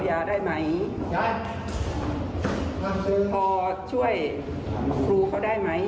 พ่อจะช่วยครูเขาได้ไหม